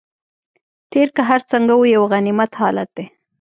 تېر که هر څنګه و یو غنیمت حالت دی.